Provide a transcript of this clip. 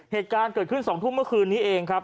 เหตุการณ์เกิดขึ้น๒ทุ่มเมื่อคืนนี้เองครับ